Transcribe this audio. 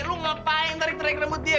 lo ngapain tarik tarik rambut dia